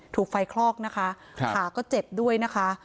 ถูกไฟคลอกนะคะขาก็เจ็บด้วยนะคะ